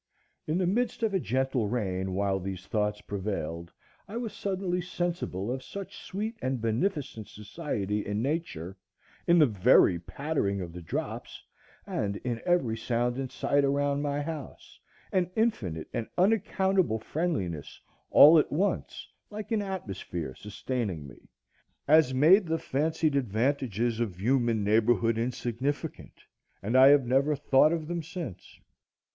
In the midst of a gentle rain while these thoughts prevailed, I was suddenly sensible of such sweet and beneficent society in Nature, in the very pattering of the drops, and in every sound and sight around my house, an infinite and unaccountable friendliness all at once like an atmosphere sustaining me, as made the fancied advantages of human neighborhood insignificant, and I have never thought of them since.